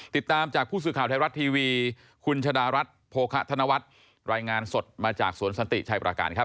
ติดตามจากผู้สื่อข่าวไทยรัฐทีวีคุณชะดารัฐโภคะธนวัฒน์รายงานสดมาจากสวนสันติชัยประการครับ